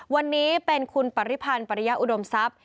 วันนี้เป็นคุณปริพันธ์ปริยะอุดมทรัพย์